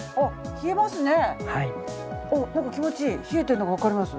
冷えてるのがわかります。